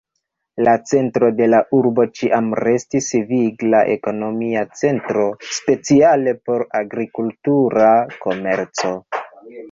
La centro de la urbo ĉiam restis vigla ekonomia centro, speciale por agrikultura komerco.